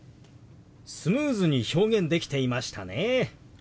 スムーズに表現できていましたね。